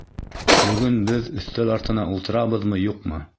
Бөгөн беҙ өҫтәл артына ултырабыҙмы, юҡмы?